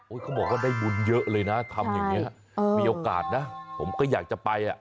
เขาบอกว่าได้บุญเยอะเลยนะทำอย่างนี้มีโอกาสนะผมก็อยากจะไปอ่ะ